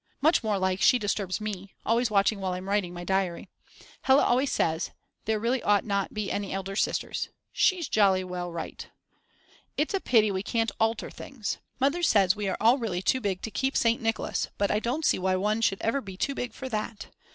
Much more like she disturbs me, always watching while I'm writing my diary. Hella always says: "There really ought not to be any elder sisters;" she's jolly well right. It's a pity we can't alter things. Mother says we are really too big to keep St. Nicholas, but I don't see why one should ever be too big for that.